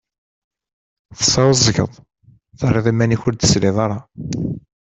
Tesεuẓẓgeḍ, terriḍ iman-im ur d-tesliḍ ara.